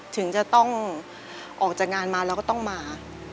ถึงจะต้องออกจากงานมาเราก็ต้องมา